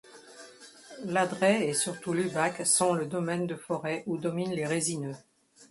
L'adret et surtout l'ubac sont le domaine de forêts où dominent les résineux.